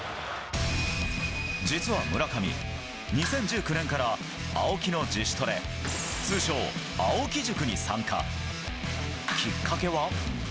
実は村上、２０１９年から青木の自主トレ、通称、青木塾に参加。きっかけは。